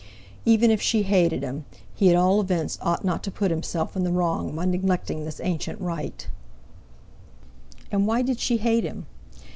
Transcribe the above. Even if she hated him, he at all events ought not to put himself in the wrong by neglecting this ancient rite. And why did she hate him?